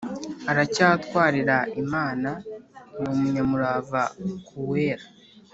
Aracyatwarira imana ni umunyamurava ku uwera